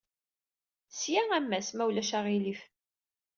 Seg-a a Mass, ma ulac aɣilif.